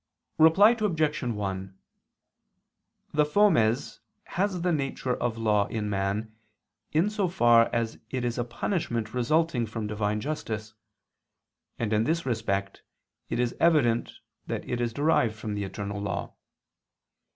Reply Obj. 1: The fomes has the nature of law in man, in so far as it is a punishment resulting from Divine justice; and in this respect it is evident that it is derived from the eternal law.